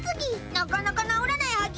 なかなか治らないはぎ。